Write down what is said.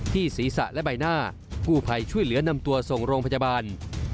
ศีรษะและใบหน้ากู้ภัยช่วยเหลือนำตัวส่งโรงพยาบาล